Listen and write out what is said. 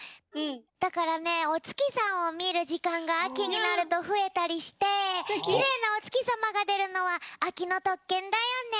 だからねおつきさんをみるじかんがあきになるとふえたりしてきれいなおつきさまがでるのはあきのとっけんだよね。